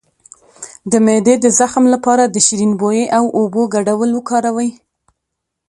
د معدې د زخم لپاره د شیرین بویې او اوبو ګډول وکاروئ